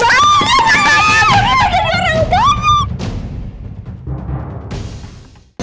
kau lewat banget